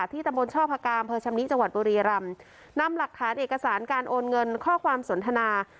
ตำบลช่อพกามเภอชำนิจังหวัดบุรีรำนำหลักฐานเอกสารการโอนเงินข้อความสนทนา